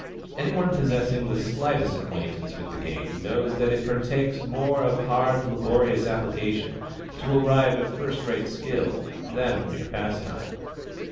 Any one possessing the slightest acquaintance with the game knows that it partakes more of hard, laborious application to arrive at first rate skill, than of mere pastime.